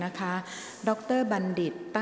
นายโกวิทย์บุญทวีค่ะราชกรรมค่ะราชกรรมค่ะ